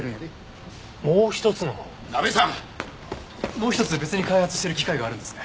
もう一つ別に開発してる機械があるんですね？